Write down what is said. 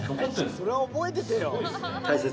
それは覚えててよ。